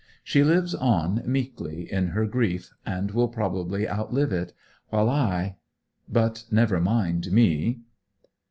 She lives on meekly in her grief; and will probably outlive it; while I but never mind me.